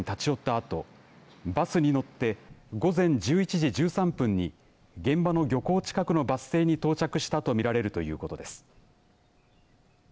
あとバスに乗って午前１１時１３分に現場の漁港近くのバス停に到着したと見られるということです。